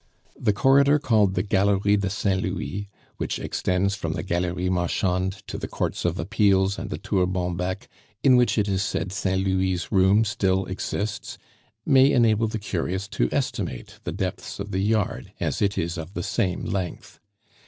The corridor called the Galerie de Saint Louis, which extends from the Galerie Marchande to the Courts of Appeals and the Tour Bonbec in which, it is said, Saint Louis' room still exists may enable the curious to estimate the depths of the yard, as it is of the same length.